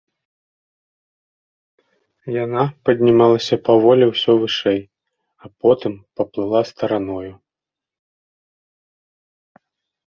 Яна паднімалася паволі ўсё вышэй, а потым паплыла стараною.